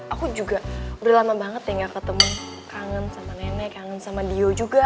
aku juga udah lama banget ya gak ketemu kangen sama nenek kangen sama dio juga